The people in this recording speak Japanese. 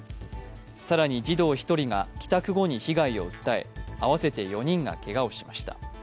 更に児童１人が帰宅後に被害を訴え合わせて４人がけがをしました。